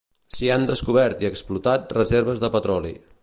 S'hi han descobert i explotat reserves de petroli.